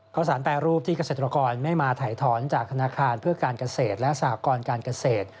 ข้าวสารแปรรูปที่เกษตรกรไม่มาถ่ายถอนจากธนาคารเพื่อการเกษตรและสหกรการเกษตร